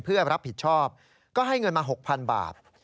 เพื่อรับผิดชอบก็ให้เงินมา๖๐๐๐บาท